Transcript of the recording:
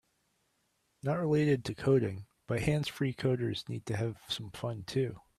Not related to coding, but hands-free coders need to have some fun too.